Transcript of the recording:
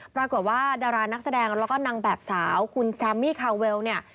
ปรากฏว่าดารานักแสดงแล้วก็นางแบบสาวคุณแซมมี่คาเวลเนี่ย